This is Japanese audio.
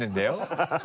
ハハハ